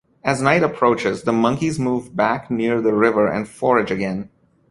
As night approaches, the monkeys move back near the river and forage again.